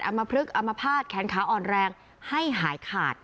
อัมพลึกอัมพาตแขนขาอ่อนแรงให้หายขาด